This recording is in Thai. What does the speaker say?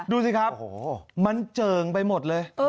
ดูสิครับมันเจิ่งไปหมดเลย